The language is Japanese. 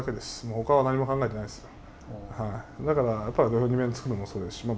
ほかは何も考えてないですよ。